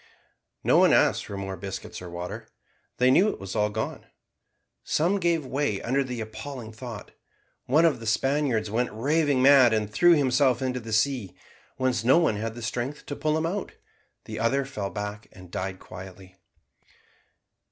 No one asked for more biscuits or water; they knew it was all gone. Some gave way under the appalling thought. One of the Spaniards went raving mad, and threw himself into the sea, whence no one had strength to pull him out; the other fell back and died quietly.